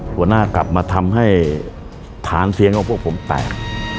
หัวหน้ากลับมาทำให้ฐานเสียงของพวกผมแตก